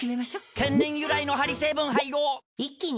天然由来のハリ成分配合一気に！